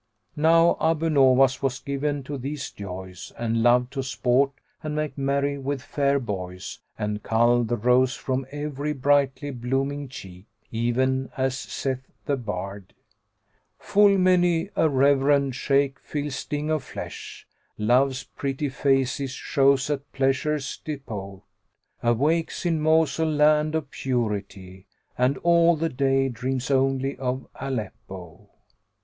'" Now Abu Nowas was given to these joys and loved to sport and make merry with fair boys and cull the rose from every brightly blooming check, even as saith the bard, Full many a reverend Shaykh feels sting of flesh, * Loves pretty faces, shows at Pleasure's depot: Awakes in Mosul,[FN#84] land of purity; * And all the day dreams only of Aleppo.